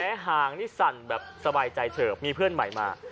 หางนี่สั่นแบบสบายใจเฉิบมีเพื่อนใหม่มา